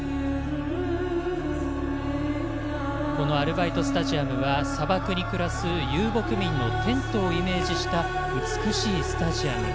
このアルバイトスタジアムは砂漠に暮らす遊牧民のテントをイメージした美しいスタジアム。